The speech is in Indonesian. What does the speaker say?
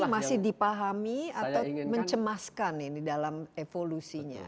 itu masih dipahami atau mencemaskan ini dalam evolusinya